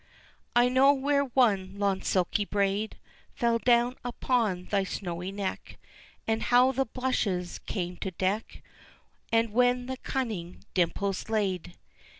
I know where one long silky braid Fell down upon thy snowy neck, And how the blushes came to deck, And where the cunning dimples laid.